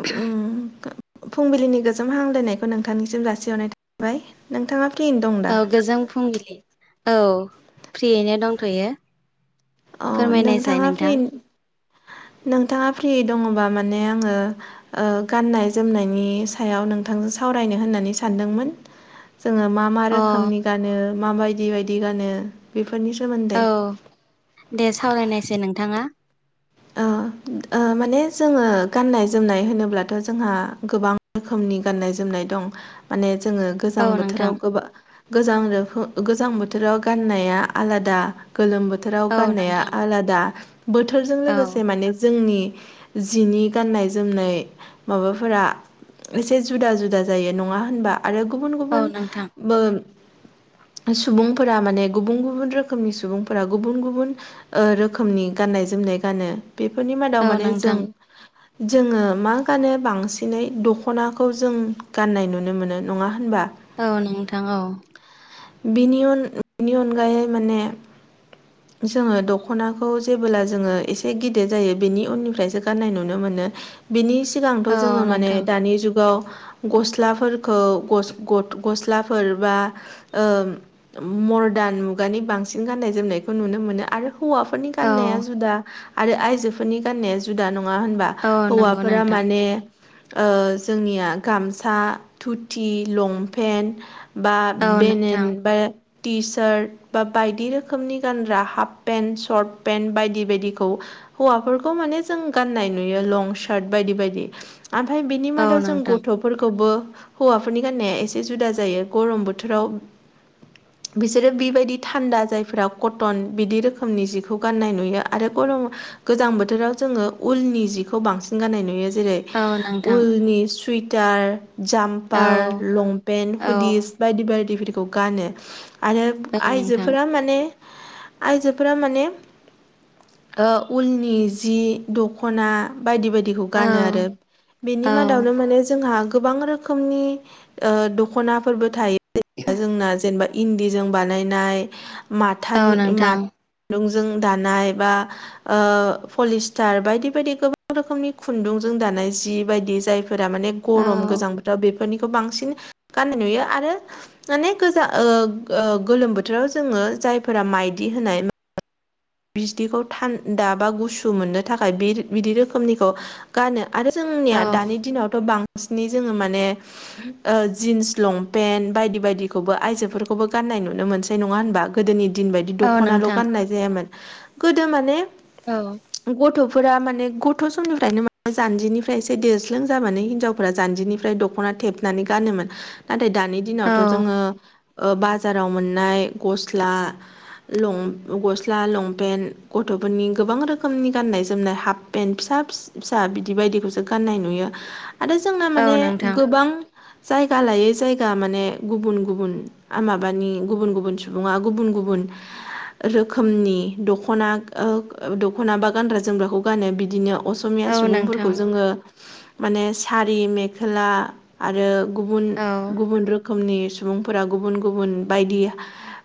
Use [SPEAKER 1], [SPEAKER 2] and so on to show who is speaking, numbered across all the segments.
[SPEAKER 1] उम फुंबिलिनि गोजोम हामलायनायखौ नोंथांनिसिम जासिहरनाय थाबाय। नोंथाङा फ्रियैनो दं दा
[SPEAKER 2] औ गोजोन फुंबिलि औ फ्रियैनो दंथ'यो।
[SPEAKER 1] अ
[SPEAKER 2] फोरमायनायसाय
[SPEAKER 1] नोंथाङा
[SPEAKER 2] नोंथां
[SPEAKER 1] फ्रि नोंथाङा फ्रि दङबा माने आंङो ओ गाननाय जोमनायनि सायाव नोंथांजों सावरायनो होननानै सानदोंमोन। जोंङो मा मा
[SPEAKER 2] अ
[SPEAKER 1] रोखोमनि गानो मा बायदि बायदि गानो बेफोरनि
[SPEAKER 2] औ
[SPEAKER 1] सोमोन्दै
[SPEAKER 2] दे सावरायनायसाय नोंथाङा।
[SPEAKER 1] ओ
[SPEAKER 2] [inaudible]
[SPEAKER 1] ओ माने जोंङो गाननाय जोमनाय होनोब्लाथ' जोंहा गोबां खोमनि गाननाय जोमनाय दं। माने जोंङो गोजां
[SPEAKER 2] औ नोंथां
[SPEAKER 1] बोथोराव गोबां गोजां [unintelligible] गोजां बोथोराव गाननाया आलादा। गोलोम बोथोराव
[SPEAKER 2] औ
[SPEAKER 1] गाननाया
[SPEAKER 2] नोंथां
[SPEAKER 1] आलादा बोथोरजों
[SPEAKER 2] औ
[SPEAKER 1] लोगो माने जोंनि जिनि गाननाय जोमनाय माबाफोरा एसे जुदा जुदा जायो नङा होनबा आरो गुबुन
[SPEAKER 2] औ
[SPEAKER 1] गुबुन
[SPEAKER 2] नोंथां
[SPEAKER 1] ब सुबुंफोरा माने गुबुन गुबुन रोखोमनि सुबुंफोरा गुबुन गुबुन ओ रोखोमनि गाननाय जोमनाय गानो बेफोरनि
[SPEAKER 2] औ
[SPEAKER 1] मादाव माने जों
[SPEAKER 2] [inaudible]
[SPEAKER 1] जोंङो मा गानो बांसिनै दख'नाखौ जों गाननाय नुनो मोनो। नङा होनबा?
[SPEAKER 2] औ नोंथां औ
[SPEAKER 1] बिनि उन बिनि अनगायै माने जोंङो दख'नाखौ जेबोला जोंङो एसे ए गिदिर जायो बेनि उननिफ्रायसो गाननाय नुनो मोनो। बिनि सिगांथ'
[SPEAKER 2] औ
[SPEAKER 1] जोंङो माने
[SPEAKER 2] नोंथां
[SPEAKER 1] दानि जुगाव गस्लाफोरखौ [unintelligible] गस्लाफोर बा ओ मरदान मुगानि बांसिन गाननाय जोमनायखौ नुनो मोनो आरो हौवाफोरनि
[SPEAKER 2] औ
[SPEAKER 1] गाननाया जुदा आरो आइजोफोरनि गान्नाया जुदा नङा होनबा?
[SPEAKER 2] औ नंगौ
[SPEAKER 1] हौवाफोरा
[SPEAKER 2] नोंथां
[SPEAKER 1] माने ओ जोंनिया गामसा धुथि लंपेन्ट बा
[SPEAKER 2] औ
[SPEAKER 1] बेनेन
[SPEAKER 2] नोंथां
[SPEAKER 1] बा टि सार्ट बा बायदि रोखोमनि गानग्रा हाफ पेन्ट सशर्ट पेन्ट बायदि बायदिखौ हौवाफोरखौ माने जों गान्नाय नुयो लं सार्ट बायदि बायदि ओमफ्राय बिनि
[SPEAKER 2] औ
[SPEAKER 1] मादाव जों
[SPEAKER 2] नोंथां
[SPEAKER 1] गथ' फोरखौबो हौवाफोरनि गाननाया एसे जुदा जायो गरम बोथोराव बिसोरो बेबायदि थान्दा जायफोरा कटन बिदि रोखोमनि जिखौ गान्नाय नुयो आरो गरम गोजां बोथोराव जोङो उलनि जिखौ बांसिन गाननाय नुयो जेरै
[SPEAKER 2] औ नोंथां
[SPEAKER 1] उलनि सुइटार
[SPEAKER 2] औ
[SPEAKER 1] जाम्पार लंपेन्ट
[SPEAKER 2] औ
[SPEAKER 1] हुदिस बायदि बायदिफोरखौ गानो आरो
[SPEAKER 2] औ नोंथां
[SPEAKER 1] आइजोफोरा माने आयजोफोरा माने उलनि जि दख दखना बायदि बायदिखौ
[SPEAKER 2] औ
[SPEAKER 1] गानो आरो बेनि
[SPEAKER 2] औ
[SPEAKER 1] मादावनो माने जोंहा गोबां रोखोम रोखोमनि दख'नाफोरबो थायो जोंना जेनेबा इन्दिजों बानायनाय
[SPEAKER 2] औ
[SPEAKER 1] माथानि
[SPEAKER 2] नोंथां
[SPEAKER 1] खुन्दुंजों दानाय बा पलिस्टार बायदि बायदि गोबां रोखोमनि खुन्दुंजों दानाय जि बायदि जाय फोर माने गरम
[SPEAKER 2] औ
[SPEAKER 1] गोजां बोथोराव बेफोरनिखौ बांसिन गाननाय नुयो आरो माने गोजा ओ गोलोम बोथोराव जोङो जायफोरा माइदि होनाय बिथिखौ थान्दा बा गुसु मोननो थाखाय बे बिदि रोखोमनिखौ गानो आरो जोंनिया
[SPEAKER 2] औ
[SPEAKER 1] दानि दिनावथ' बांसिनै जोङो माने। ओ जिन्स लंपेन्ट बायदि बायदिखौबो आइजोफोरखौबो गाननाय नुनो मोनसै नङा होनबा। गोदोनि दिन बायदि
[SPEAKER 2] औ
[SPEAKER 1] दख'नाल'
[SPEAKER 2] नोंथां
[SPEAKER 1] गाननाय जायामोन गोदो माने।
[SPEAKER 2] औ।
[SPEAKER 1] गथ'फोरा माने गथ' समनिफ्रायनो माने जान्जिनिफ्राय एसे देरस्लों जानानै हिनजावफोरा जान्जिनिफ्राय दख। दख'ना थेबनानै गानोमोन नाथाय दानि दिनावथ'
[SPEAKER 2] औ
[SPEAKER 1] जोङो। ओ बाजाराव मोननाय गस्ला लं गस्ला लं। बेन गथ'फोरनि गोबां रोखोमनि गाननाय जोमनाय हाबपेन फिसा फिस फिस। था बिदि बायदिखौसो गान्नाय नुयो आरो जोंना
[SPEAKER 2] औ
[SPEAKER 1] माने
[SPEAKER 2] नोंथां
[SPEAKER 1] गोबां। जायगा लायै जायगा माने गुबुन गुबुन। आ माबानि गुबुन गुबुन सुबुङा गुबुन गुबुन रोखोमनि। दख'ना ओ दख'ना बा गानग्रा जोमग्राखौ गानो बिदिनो अस। असमिया
[SPEAKER 2] औ नोंथां
[SPEAKER 1] सुबुंफोरखौ जोङो माने सारि मेखला। आरो गुबुन
[SPEAKER 2] औ
[SPEAKER 1] गुबुन रोखोमनि सुबुंफोरा गुबुन गुबुन बायदि।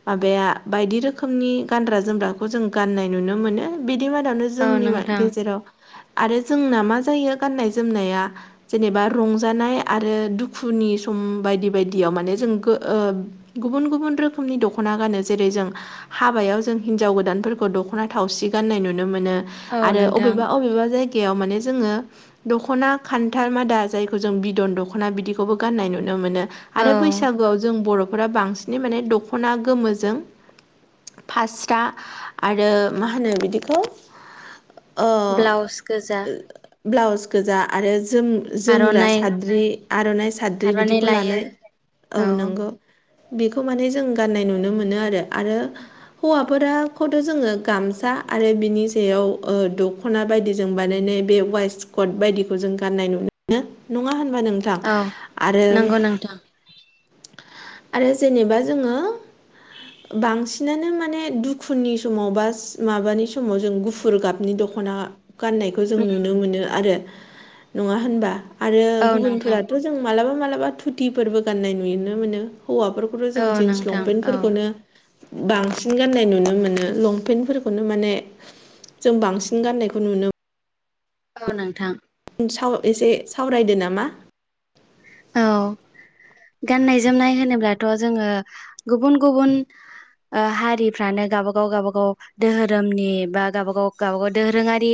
[SPEAKER 1] माबाया बायदि रोखोमनि गानग्रा जोमग्रा। बो जों गाननाय नुनो मोनो बिदि मादावनो
[SPEAKER 2] औ
[SPEAKER 1] जोंनि मा
[SPEAKER 2] नोंथां
[SPEAKER 1] गेजेराव। आरो जोंना मा जायो गाननाय जोमनाया। जेनेबा रंजानाय आरो दुखुनि सम बायदि बायदियाव माने जोंखो ओ। गुबुन गुबुन रोखोमनि दख'ना गानो जेरै जों हाबायाव जों हिन। हिनजाव गोदानफोरखौ दख'ना थावसि गान्नाय नुनो मोनो
[SPEAKER 2] औ
[SPEAKER 1] आरो
[SPEAKER 2] नोंथां
[SPEAKER 1] अबेबा अबेबा जायगा। एआव माने जोङो। दख'ना खान्थाल मादा जायखौ जों बिदन दख'ना बिदिखौबो गाननाय नुनो मोनो।
[SPEAKER 2] औ
[SPEAKER 1] आरो बैसागुआव जों बर'फोरा बांसिनै माने दख'ना गोमोजों फास। था आरो मा होनो बिदिखौ। ओ
[SPEAKER 2] ब्लाउस गोजा
[SPEAKER 1] ब्लाउस गोजा आरो जों। जोमग्रा
[SPEAKER 2] आर'नाइ
[SPEAKER 1] साद्रि आर'नाइ साद्रि
[SPEAKER 2] आर'नाइ
[SPEAKER 1] बिदिखौ
[SPEAKER 2] लायो
[SPEAKER 1] लानाय औ नंगौ। बेखौ माने जों गाननाय नुनो मोनो आरो आरो। फोरखौथ'जोङो गामसा आरो बिनि सायाव ओ दख'ना बायदि जों बानायनाय बे वाइस। कट बायदिखौ जों गाननाय नुनो नङा होनबा नों। थां
[SPEAKER 2] औ
[SPEAKER 1] आरो।
[SPEAKER 2] नंगौ नोंथां
[SPEAKER 1] आरो जेनेबा जोङो बांसिनानो माने। दुखुनि समाव बा माबानि समाव जों गुफुर गाबनि दख'ना। गाननायखौ जों नुनो मोनो आरो नङा होनबा आरो
[SPEAKER 2] औ नोंथां
[SPEAKER 1] गुबुनफोराथ' जों मालाबा मालाबा धुथिफोरबो गान्नाय नुनो मोनो हौवाफोर खौथ' जों
[SPEAKER 2] औ
[SPEAKER 1] जिन्स
[SPEAKER 2] नोंथां औ
[SPEAKER 1] लंपेनफोरखौनो बांसिन गनाय नुनो मोनो लंपेनफोरखौनो माने जों बांसिन गाननायखौ नुनो
[SPEAKER 2] औ नोंथां।
[SPEAKER 1] साव एसे सावरायदो नामा।
[SPEAKER 2] औ गाननाय जोमनाय होनोब्लाथ' जोङो गुबुन गुबुन ओ हारिफ्रानो गावबागाव गावबागाव दोहोरोमनि बा गाबागाव गावबागाव दोरोङारि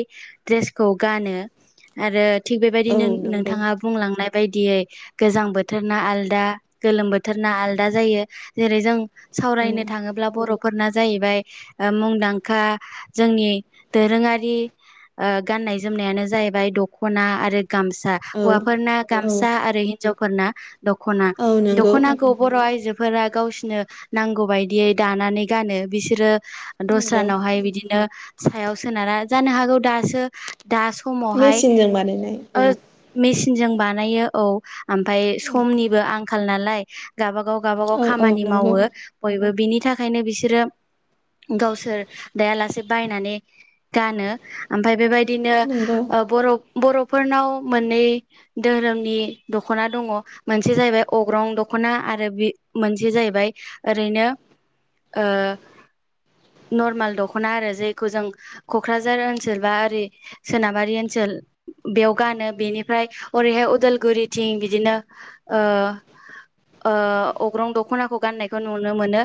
[SPEAKER 2] द्रेसखौ गानो। आरो थिग
[SPEAKER 1] औ
[SPEAKER 2] बेबायदिनो
[SPEAKER 1] नंगौ
[SPEAKER 2] नोंथाङा बुंलांनाय बायदियै गोजां बोथोरना आलदा गोलोम बोथोरना आलदा जायो जेरै जों
[SPEAKER 1] औ
[SPEAKER 2] सावरायनो थाङोब्ला बर'फोरना जाहैबाय ओ मुंदांखा जोंनि दोरोङारि ओ गाननाय जोमनायानो जाहैबाय दख'ना आरो गामसा।
[SPEAKER 1] औ
[SPEAKER 2] हौवाफोरना
[SPEAKER 1] औ
[SPEAKER 2] गामसा आरो हिनजावफोरना दख'ना।
[SPEAKER 1] औ नंगौ
[SPEAKER 2] दख'ना खौ बर' आइजोफोरा गावसिनो नांगौ बायदियै दानानै गानो बिसोरो
[SPEAKER 1] नंगौ
[SPEAKER 2] दस्रानावहाय बिदिनो सायाव सोनारा। जानो हागौ दासो दा समावहाय
[SPEAKER 1] मेचिनजों बानायनाय
[SPEAKER 2] ओ मेसिनजों बानायो औ ओमफाय समनिबो आंखाल नालाय गाबागाव गाबागाव
[SPEAKER 1] औ औ
[SPEAKER 2] खामानि
[SPEAKER 1] नंगौ
[SPEAKER 2] मावो बयबो। बिनि थाखायनो बिसोरो गावसोर दायालासे बायनानै गानो। ओमफाय बेबायदिनो
[SPEAKER 1] नंगौ
[SPEAKER 2] बर' बर'फोरनाव मोननै दोहोरोमनि दख'ना दङ मोनसे जाहैबाय अग्रं दख'ना आरो बे मोनसे जाहैबाय ओरैनो ओ नर्माल दख'ना आरो जायखौ जों क'क्राझार ओनसोल बा ओरै सोनाबारि ओनसोल बेयाव गानो। बेनिफ्राय ओरैहाय अदालगुरि थिं बिदिनो ओ अग्रं दख'नाखौ गान्नायखौ नुनो मोनो।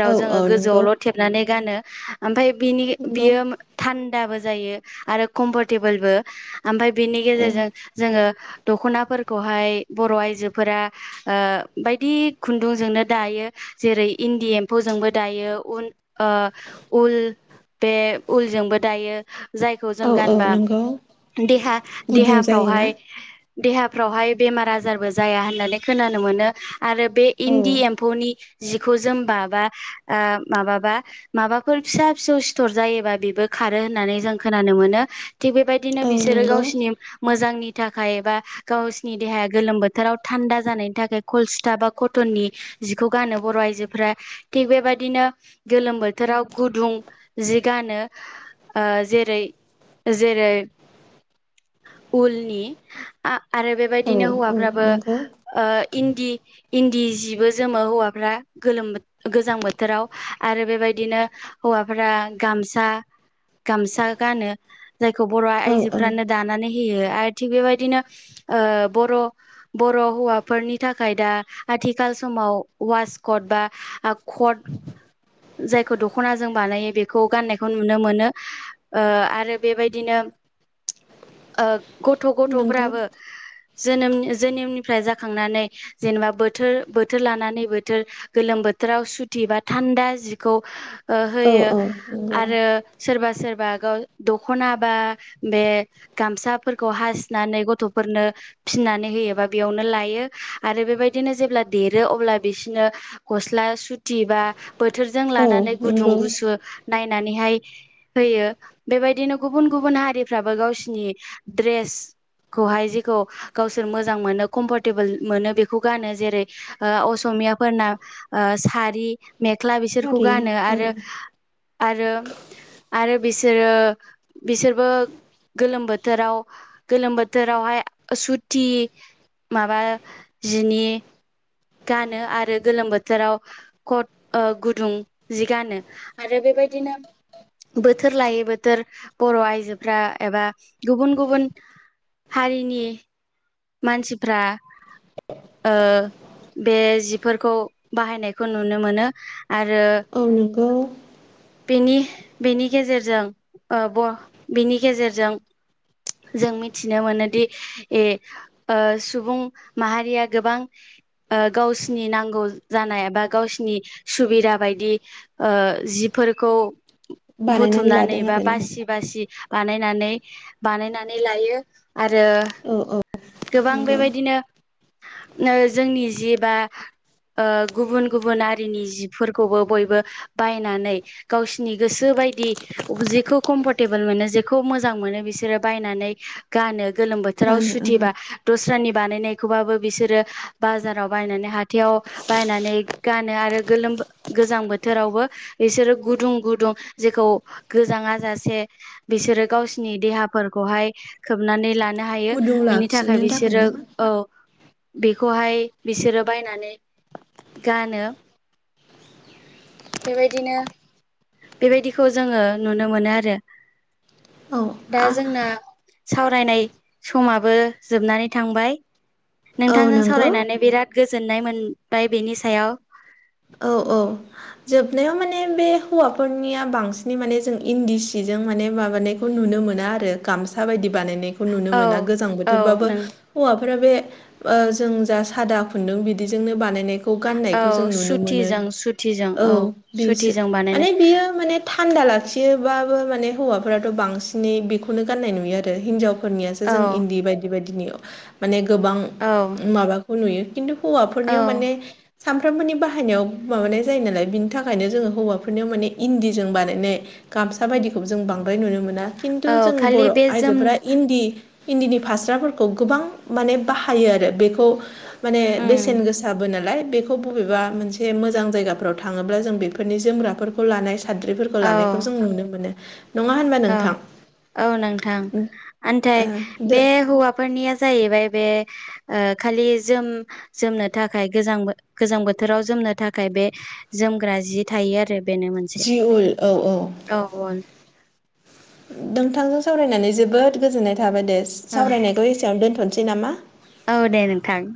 [SPEAKER 1] औ
[SPEAKER 2] जोङो
[SPEAKER 1] औ नंगौ
[SPEAKER 2] गोजौआवल' थेबनानै गानो ओमफ्राय बिनि
[SPEAKER 1] नंगौ
[SPEAKER 2] बियो थान्दाबो जायो आरो कमफरटेबोलबो ओमफफ्राय बिनि
[SPEAKER 1] औ
[SPEAKER 2] गेजेरजों जोङो दख'नाफोरखौहाय बर' आइजोफोरा बायदि खुन्दुंजोंनो दायो। जेरै इन्दि एम्फौजोंबो दायो उन ओ उल बे उलजोंबो दायो। जायखौ जों
[SPEAKER 1] औ औ
[SPEAKER 2] गानबा
[SPEAKER 1] नंगौ
[SPEAKER 2] देहा
[SPEAKER 1] गुदुं जायोना
[SPEAKER 2] देहाफ्रावहाय देहा फ्रावहाय बेमार आजारबो जाया होननानै खोनानो मोनो आरो बे
[SPEAKER 1] औ
[SPEAKER 2] इन्दि एम्फौनि जिखौ जोमबा बा ओ माबाबा माबाफोर फिसा फिसौ सिथर जायोबा बेबो खारो होननानै जों खोनानो मोनो। थिग बेबा दिनो
[SPEAKER 1] औ
[SPEAKER 2] बिसोरो
[SPEAKER 1] नंगौ
[SPEAKER 2] गावसिरनि मोजांनि थाखाय एबा गावसिरनि देहाया गोलोम बोथोराव थान्दा जानायनि थाखाय कलस्था बा कटननि जिखौ गानो बर' आइजोफोरा। थिग बेबायदिनो गोलोम बोथोराव गुदुं जि गानो। ओ जेरै जेरै उलनि आ-आरो
[SPEAKER 1] औ
[SPEAKER 2] बेबायदिनो
[SPEAKER 1] औ
[SPEAKER 2] हौवाफ्राबो
[SPEAKER 1] नंगौ
[SPEAKER 2] इन्दि इन्दि सिबो जोमो हौवाफ्रा गोलोम बो गोजां बोथोराव आरो बेबायदिनो हौवाफोरा गामसा गामसा गानो। जायखौ बर'
[SPEAKER 1] औ औ
[SPEAKER 2] आइजोफ्रानो दानानै होयो आरो थिग बेबायदिनो ओ बर' बर' हौवाफोरनि थाखाय दा आथिखाल समाव वासकट बा आ कट जायखौ दख'ना जों बानायो बेखौ गाननायखौ नुनो मोनो। ओ आरो बेबायदिनो ओ गथ' गथ'
[SPEAKER 1] नंगौ
[SPEAKER 2] जेनेम जोनोमनिफ्राय जाखांनानै जेनेबा बोथोर बोथोर लानानै बोथोर गोलोम बोथोराव सुथि बा थान्दा जिखौ ओ
[SPEAKER 1] औ
[SPEAKER 2] होयो
[SPEAKER 1] औ नंगौ
[SPEAKER 2] आरो सोरबा सोरबा गाव दखना बा बे गामसाफोरखौ हासिनानै गथ'फोरनो फिनानै होयोबा बेयावनो लायो आरो बेबायदिनो जेब्ला देरो अब्ला बिसोरनो गस्ला सुथि बा बोथोरजों
[SPEAKER 1] औ
[SPEAKER 2] लानानै गुदुं
[SPEAKER 1] नंगौ
[SPEAKER 2] गुसु नायनानैहाय होयो बेबायदिनो गुबुन गुबुन हारिफ्राबो गावसिनि द्रेस खौहाय जेखौ गावसोर मोजां मोनो कम्फर्टेबोल मोनो बेखौ गानो जेरै ओ असमियाफोरना सारि मेख्ला बिसोरखौ
[SPEAKER 1] सारि
[SPEAKER 2] गानो
[SPEAKER 1] औ
[SPEAKER 2] आरो आरो आरो बिसोरो बिसोरबो गोलोम बोथोराव गोलोम बोथोरावहाय सुथि माबा जिनि गानो आरो गोलोम बोथोराव कट गुदुं जि गानो। आरो बेबायदिनो बोथोर लायै बोथोर बर' आयजोफ्रा एबा गुबुन गुबुन हारिनि मानसिफ्रा ओ बे जिफोरखौ बाहायनायखौ नुनो मोनो। आरो
[SPEAKER 1] औ नंगौ
[SPEAKER 2] बेनि बेनि गेजेरजों ओ ब बेनि गेजेरजों जों मिथिनो मोनोदि ए ओ सुबुं माहारिया गोबां ओ गावसिनि नांगौ जानाय एबा गावसिनि सुबिदा बायदि ओ जिफोरखौ
[SPEAKER 1] बानायनानै
[SPEAKER 2] बुथुमनानै
[SPEAKER 1] लादों
[SPEAKER 2] बा
[SPEAKER 1] आरोना
[SPEAKER 2] बासि आ बासि बानायनानै बानायनानै लायो आरो
[SPEAKER 1] औ औ
[SPEAKER 2] गोबां
[SPEAKER 1] नंगौ
[SPEAKER 2] बेबायदिनो जोंनि जि बा ओ गुबुन गुबुन हारिनि जिफोरखौबो बयबो बायनानै गावसिनि गोसो बायदि जेखौ कमफरटेबोल मोनो जेखौ मोजां मोनो बिसोरो बायनानै गानो गोलोम बोथोराव
[SPEAKER 1] गानो
[SPEAKER 2] सु
[SPEAKER 1] औ
[SPEAKER 2] दस्रानि बानायनायखौबाबो बिसोरो बाजाराव बायनानै हाथायाव बायनानै गानो आरो गोलोम गोजां बोथोरावबो बिसोरो गुदुं गुदुं जेखौ गोजाङ जासे बिसोरो गावसिनि देहाफोरखौहाय खोबनानै लानो हायो
[SPEAKER 1] गुदुं
[SPEAKER 2] बेनि थाखाय
[SPEAKER 1] लाखिनो
[SPEAKER 2] बिसोरो
[SPEAKER 1] ना
[SPEAKER 2] औ बेखौहाय बिसोरो बायनानै गानो बेबायदिनो बेबायदिखौ जोङो नुनो मोनो आरो
[SPEAKER 1] औ
[SPEAKER 2] दा
[SPEAKER 1] आ
[SPEAKER 2] जोंना सावरायनाय समाबो जोबनानै थांबाय।
[SPEAKER 1] औ
[SPEAKER 2] नोंथांजों
[SPEAKER 1] नंगौ
[SPEAKER 2] सावरायनानै बिराद गोजोननाय मोनबाय बेनि सायाव।
[SPEAKER 1] औ औ। जोबनायाव माने बे हौवाफोरनिया बांसिनै माने जों इन्दि सिजों माने माबानाय खौ नुनो मोना आरो गामसा बायदि बानायनायखौ नुनो मोना गोजां
[SPEAKER 2] औ औ
[SPEAKER 1] बोथोरबाबो
[SPEAKER 2] नों
[SPEAKER 1] हौवाफोरा बे जों जा सादा खुन्दुं बिदिजोंनो बानायनायखौ खौ
[SPEAKER 2] औ
[SPEAKER 1] गाननायखौ जों नुनो मोनो
[SPEAKER 2] सुथिजों सुथिजों
[SPEAKER 1] औ बिसो
[SPEAKER 2] सुथिजों बानायनाय
[SPEAKER 1] माने बियो माने थान्दा लाखियोबाबो माने हौवाफोराथ' बांसिनै बेखौनो गाननाय नुयो आरो हिनजावफोरनियासो
[SPEAKER 2] औ
[SPEAKER 1] जों इन्दि बायदि बायदिनि माने गोबां
[SPEAKER 2] औ
[SPEAKER 1] माबाखौ नुयो खिन्थु
[SPEAKER 2] औ
[SPEAKER 1] हौवाफोरनियाव माने सानफ्रामबोनि बाहायनायाव माबानाय जायो नालाय बिनि थाखायनो जोङो हौवाफोरनियाव माने इन्दिजों बानायनाय। गामसा बायदिखौबो जों बांद्राय नुनो मोना खिन्थु
[SPEAKER 2] औ
[SPEAKER 1] जों
[SPEAKER 2] खालि
[SPEAKER 1] बर'
[SPEAKER 2] बे जोम
[SPEAKER 1] आइजोफोरा इन्दि इन्दिनि फास्राफोरखौ गोबां माने बाहायो आरो बेखौ माने
[SPEAKER 2] उम
[SPEAKER 1] बेसेन गोसा साबो नालाय बेखौ बबेबा मोनसे ज मोजां जायगाफोराव थाङोब्ला जों बेफोरनि जोमग्राफोरखौ लानाय साद्रिफोर
[SPEAKER 2] औ
[SPEAKER 1] लानायखौ जों नुनो मोनो। नङा होनबा
[SPEAKER 2] औ
[SPEAKER 1] नोंथां
[SPEAKER 2] औ नोंथां आथाय
[SPEAKER 1] ओ
[SPEAKER 2] बे हौवा फोरनिया जाहैबाय बे खालि जोम जोमनो थाखाय गोजां गोजां बोथोराव जोमनो थाखाय बे जोमग्रा जि थायो आरो बेनो मोनसे
[SPEAKER 1] जि उल औ
[SPEAKER 2] औ औ।
[SPEAKER 1] नोंथांजों सावरायनानै जोबोद गोजोननाय थाबाय दे
[SPEAKER 2] औ
[SPEAKER 1] सावरायनायखौ एसेयावनो दोनथ'नोसै नामा।
[SPEAKER 2] औ दे नोंथां